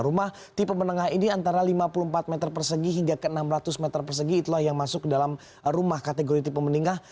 rumah tipe menengah ini antara lima puluh empat meter persegi hingga ke enam ratus meter persegi itulah yang masuk ke dalam rumah kategori tipe meningah